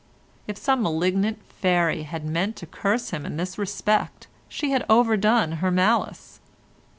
If some malignant fairy had meant to curse him in this respect, she had overdone her malice.